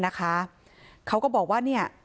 นะคะเขาก็บอกว่าเนี่ย